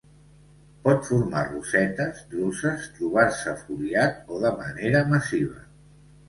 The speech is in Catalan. Pot formar rosetes, druses, trobar-se foliat o de manera massiva.